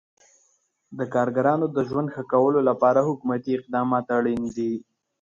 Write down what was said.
د کارګرانو د ژوند ښه کولو لپاره حکومتي اقدامات اړین دي.